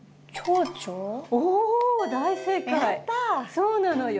そうなのよ。